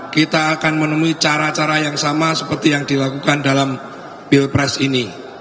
kita akan menemui cara cara yang sama seperti yang dilakukan dalam pilpres ini